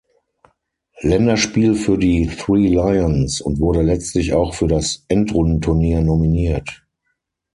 Länderspiel für die „Three Lions“ und wurde letztlich auch für das Endrundenturnier nominiert.